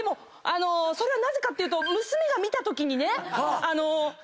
それはなぜかっていうと娘が見たときにね。